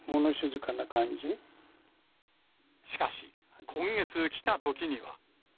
しかし、今月来たときには。